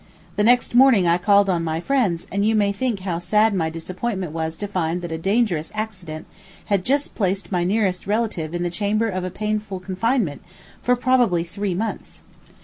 The next morning I called on my friends, and you may think how sad my disappointment was to find that a dangerous accident had just placed my nearest relative in the chamber of painful confinement for probably three months.